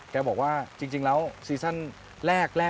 คุณต้องเป็นผู้งาน